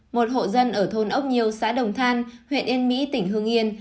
một hộ dân ở thôn ốc nhiều xã đồng than huyện yên mỹ tỉnh hương yên